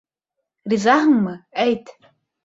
Ризаһыңмы, әйт!